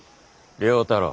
良太郎。